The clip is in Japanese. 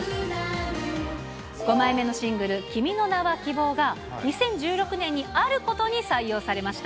５枚目のシングル、君の名は希望が２０１６年にあることに採用されました。